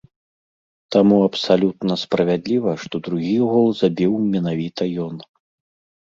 Таму абсалютна справядліва, што другі гол забіў менавіта ён.